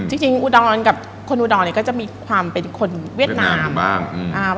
อืมจริงอูดอนกับคนอูดอนเนี้ยก็จะมีความเป็นคนเวียดนามอืมเวียดนามอยู่บ้าง